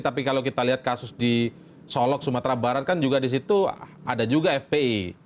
tapi kalau kita lihat kasus di solok sumatera barat kan disitu ada juga fpi